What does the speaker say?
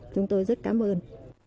chúng tôi rất cảm ơn